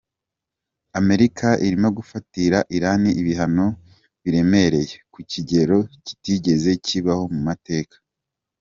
Amerika irimo gufatira Iran ibihano biremereye ku kigero kitigeze kibaho mu mateka.